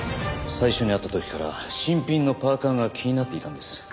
最初に会った時から新品のパーカが気になっていたんです。